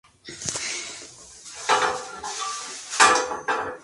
Dietrich Marcuse nació en Kaliningrado, una ciudad al este de Prusia, Alemania.